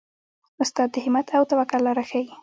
استاد د همت او توکل لاره ښيي.